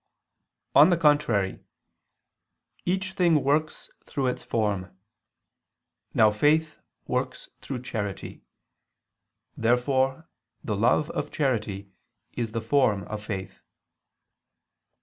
On the contrary, Each thing works through its form. Now faith works through charity. Therefore the love of charity is the form of faith.